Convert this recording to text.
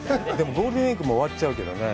ゴールデンウイークも終わっちゃうけどね。